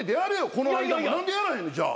この間も。何でやらへんねんじゃあ。